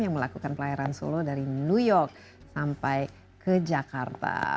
yang melakukan pelayaran solo dari new york sampai ke jakarta